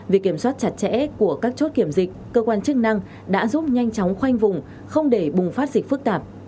việc kiểm soát chặt chẽ của các chốt kiểm dịch cơ quan chức năng đã giúp nhanh chóng khoanh vùng không để bùng phát dịch phức tạp